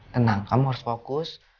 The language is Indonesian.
tenang kamu harus fokus